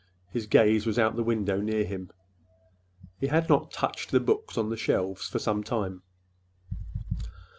His gaze was out the window near him. He had not touched the books on the shelves for some time.